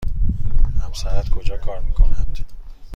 همسرت کجا کار می کند؟